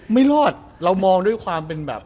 ไม่รอดเรามองด้วยความเป็นแบบ